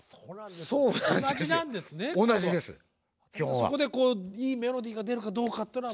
そこでいいメロディーが出るかどうかっていうのは。